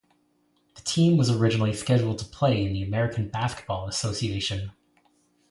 The team was originally scheduled to play in the American Basketball Association.